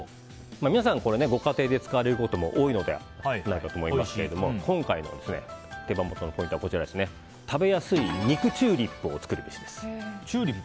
皆さん、ご家庭で使われることも多いのではないかと思いますが今回の手羽元のポイントは食べやすい肉チューリップを作るべしです。